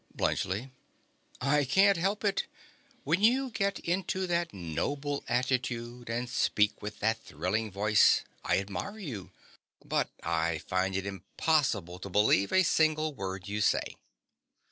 BLUNTSCHLI. I can't help it. When you get into that noble attitude and speak in that thrilling voice, I admire you; but I find it impossible to believe a single word you say.